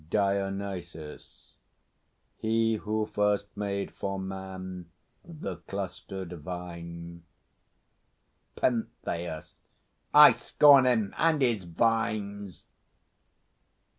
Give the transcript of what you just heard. DIONYSUS. He who first made for man the clustered vine. PENTHEUS. I scorn him and his vines!